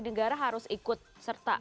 negara harus ikut serta